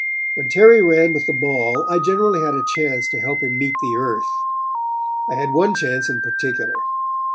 When Terry ran with the ball I generally had a chance to help him meet the earth. I had one chance in particular.